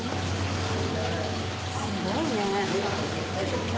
すごいね。